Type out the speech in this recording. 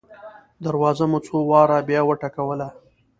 دروازه مو څو واره بیا وټکوله.